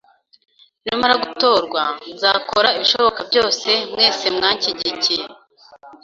Numara gutorwa, nzakora ibishoboka byose mwese mwanshigikiye